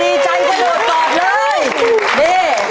โอ้ยดีใจกว่าโดดกอดเลย